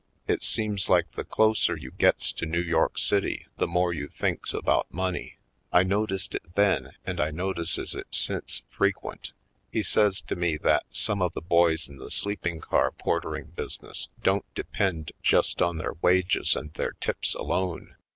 It seems like the closer you gets to New York City the more you thinks about money. I noticed it then and I notices it since, frequent. He says to me that some of the boys in the sleeping car portering business don't depend just on their wages and their tips alone.